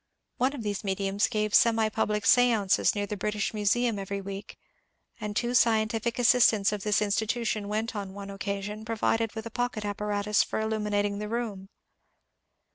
One of these *^ mediums " gave semi public s&tnces near the British Museum every week, and two scientific assistants of this institution went on one occasion provided with a pocket apparatus for illuminatiDg the room.